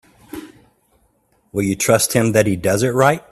Will you trust him that he does it right?